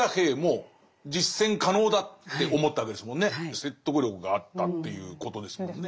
説得力があったっていうことですもんね。